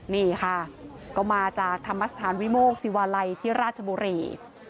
นี่ค่ะก็มาจากธรรมสถานวิโมกศิวาลัยที่ราชบุรี